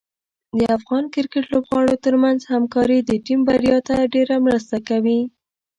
د افغان کرکټ لوبغاړو ترمنځ همکاري د ټیم بریا ته ډېره مرسته کوي.